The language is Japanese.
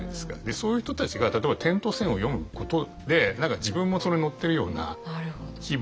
そういう人たちが例えば「点と線」を読むことで何か自分もそれ乗ってるような気分になれる。